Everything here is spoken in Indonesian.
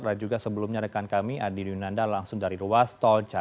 dan juga sebelumnya rekan kami andi nundanda langsung dari ruas tolca